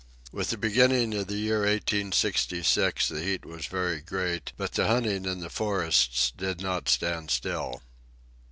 With the beginning of the year 1866 the heat was very great, but the hunting in the forests did not stand still.